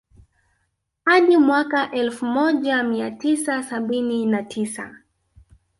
Hadi mwaka elfu moja mia tisa sabini na tisa